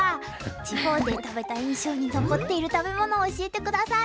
地方で食べた印象に残っている食べ物を教えて下さい。